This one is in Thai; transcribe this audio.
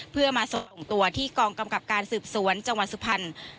เพื่อมาส่งตัวที่กองกำกับการสืบสวนจังหวัดสุพรรณ